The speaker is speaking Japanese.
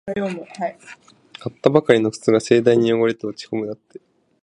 買ったばかりの靴が盛大に汚れて落ちこむ